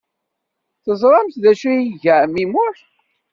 Teẓramt d acu ay iga ɛemmi Muḥ?